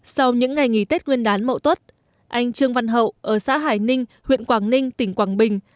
sau những ngày nghỉ tết nguyên đán mậu tuất anh trương văn hậu ở xã hải ninh huyện quảng ninh tỉnh quảng bình